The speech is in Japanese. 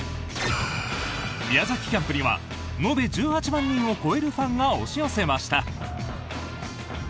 宮崎キャンプには延べ１８万人を超えるファンが押し寄せました。